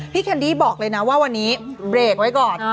แคนดี้บอกเลยนะว่าวันนี้เบรกไว้ก่อน